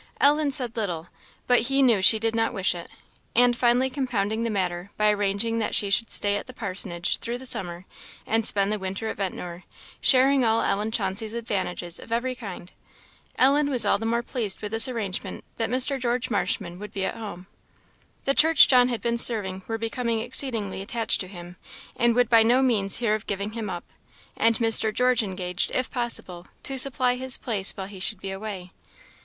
Ellen said little, but he knew she did not wish it; and finally compounded the matter by arranging that she should stay at the parsonage through the summer, and spend the winter at Ventnor, sharing all Ellen Chauncey's advantages of every kind. Ellen was all the more pleased with this arrangement that Mr. George Marshman would be at home. The church John had been serving were becoming exceedingly attached to him, and would by no means hear of giving him up; and Mr. George engaged, if possible, to supply his place while he should be away.